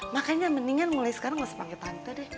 makanya mendingan mulai sekarang gak usah panggil tante deh